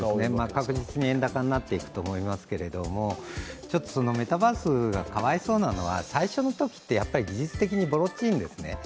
確実に円高になっていくと思いますけど、メタバースがかわいそうなのは、最初のときって技術的にぼろっちいんですね。